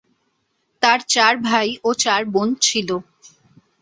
তার চার ভাই ও চার বোন ছিল।